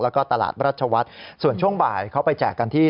แล้วก็ตลาดรัชวัฒน์ส่วนช่วงบ่ายเขาไปแจกกันที่